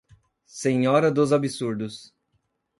Senhora dos absurdos